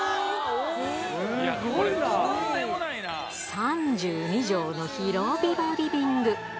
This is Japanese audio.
３２畳の広々リビング。